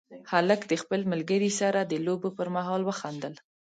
هلک د خپل ملګري سره د لوبو پر مهال وخندل.